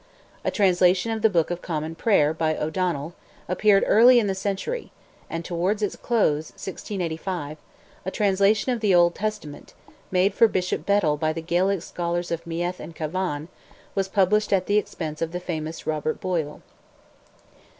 A translation of the Book of Common Prayer, by O'Donnell, appeared early in the century, and towards its close (1685), a translation of the Old Testament, made for Bishop Bedell by the Gaelic scholars of Meath and Cavan, was published at the expense of the famous Robert Boyle.